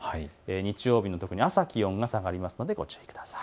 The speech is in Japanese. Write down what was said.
日曜日の特に朝、気温が下がりますのでご注意ください。